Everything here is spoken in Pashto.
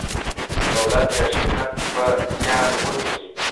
دولت یا شرکت به زیان وویني.